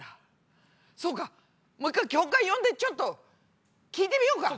そうかもう一回教官呼んでちょっと聞いてみようか。